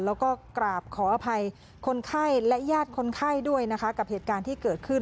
แล้วก็กราบขออภัยคนไข้และญาติคนไข้ด้วยนะคะกับเหตุการณ์ที่เกิดขึ้น